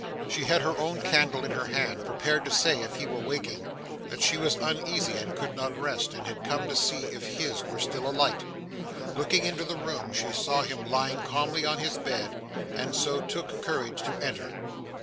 She had her own candle in her hand, prepared to say, if he were waking, that she was uneasy and could not rest, and had come to see if his were still alight. Looking into the room, she saw him lying calmly on his bed, and so took courage to enter.